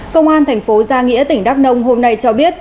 công an thành phố gia nghĩa tỉnh đắk nông hôm nay cho biết